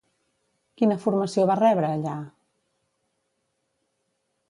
Quina formació va rebre allà?